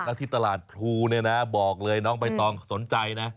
แล้วที่ตลาดพลูเนี่ยนะบอกเลยน้องใบตองสนใจนะ